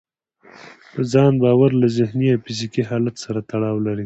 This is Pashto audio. په ځان باور له ذهني او فزيکي حالت سره تړاو لري.